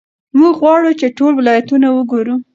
موږ غواړو چې ټول ولایتونه وګورو.